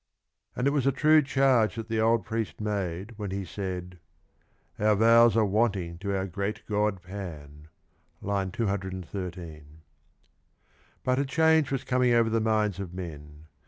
And it was a true charge that the old priest made when he said " Our vows are wanting to our great god Pan." (I. 213) But a change was coming over the minds of men.